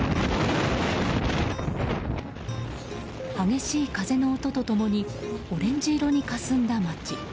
激しい風の音と共にオレンジ色にかすんだ街。